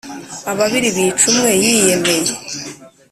Ababiri bica umwe yi yemeye